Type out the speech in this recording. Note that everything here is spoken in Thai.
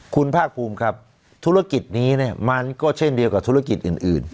คุณภาคภูมิครับธุรกิจนี้เนี่ยมันก็เช่นเดียวกับธุรกิจอื่น